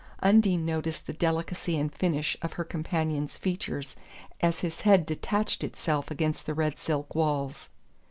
Undine noticed the delicacy and finish of her companion's features as his head detached itself against the red silk walls.